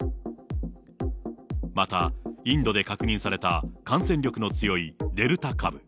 またインドで確認された感染力の強いデルタ株。